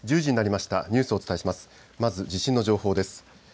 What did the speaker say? まず地震の情報です。